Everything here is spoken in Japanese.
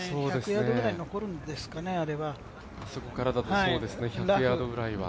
１００ヤードぐらい残るんですかね、そこからは。